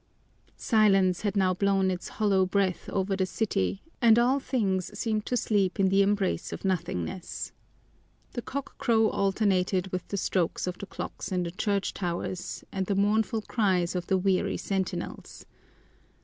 Silence had now blown its hollow breath over the city, and all things seemed to sleep in the embrace of nothingness. The cock crow alternated with the strokes of the clocks in the church towers and the mournful cries of the weary sentinels.